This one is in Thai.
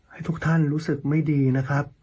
ให้ทุกท่านรู้สึกไม่ดีนะครับ